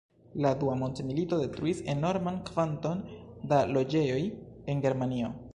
La Dua mondmilito detruis enorman kvanton da loĝejoj en Germanio.